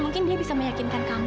mungkin dia bisa meyakinkan kami